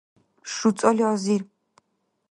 шуцӀали азир